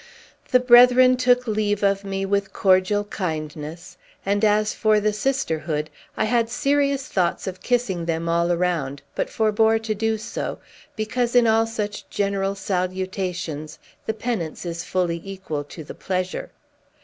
The brethren took leave of me with cordial kindness; and as for the sisterhood, I had serious thoughts of kissing them all round, but forbore to do so, because, in all such general salutations, the penance is fully equal to the pleasure.